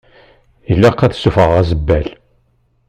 Ilaq ad ssufɣeɣ azebbal.